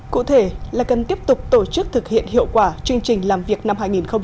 cụ thể là cần tiếp tục tổ chức thực hiện hiệu quả chương trình làm việc năm hai nghìn hai mươi